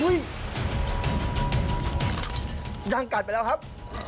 อาจารย์กัดไปแล้วครับ